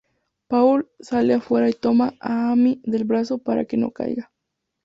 Paul sale afuera y toma a Amy del brazo para que no caiga.